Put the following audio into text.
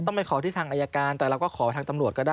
ไปขอที่ทางอายการแต่เราก็ขอทางตำรวจก็ได้